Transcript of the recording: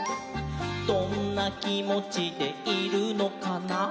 「どんなきもちでいるのかな」